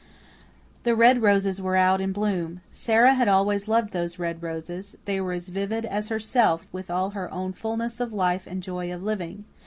The red roses were out in bloom. Sara had always loved those red roses they were as vivid as herself, with all her own fullness of life and joy of living.